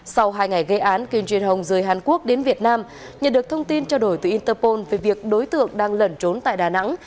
sau hai ngày gây án kim jun hong rời hàn quốc đến việt nam nhận được thông tin trao đổi từ interpol về việc đối tượng đang lẩn trốn tại đà nẵng